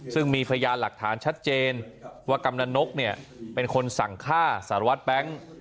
ซึ่งมีพยานหลักฐานชัดเจนว่ากำนันนกเนี่ยเป็นคนสั่งฆ่าสารวัตรแบงค์